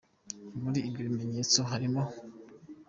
Muri ibyo bimenyetso hari mo :.